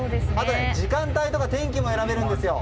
時間帯とか天気も選べるんです。